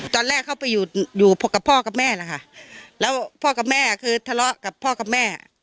ตอนแรกเขาไปอยู่อยู่กับพ่อกับแม่นะคะแล้วพ่อกับแม่คือทะเลาะกับพ่อกับแม่